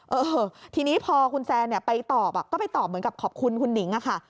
เออทีนี้พอคุณแซนไปตอบก็ไปตอบเหมือนกับขอบคุณคุณหนิงอะค่ะ